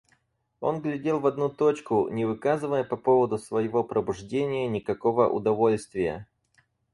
Он глядел в одну точку, не выказывая по поводу своего пробуждения никакого удовольствия.